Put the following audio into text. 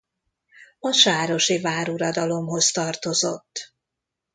A sárosi váruradalomhoz tartozott.